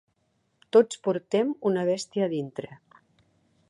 Tots portem una bèstia dintre.